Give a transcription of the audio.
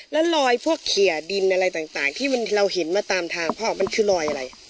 แล้วลอยพวกเขียดินอะไรต่างที่เราเห็นมาตามทางพ่อมันคือลอยอะไร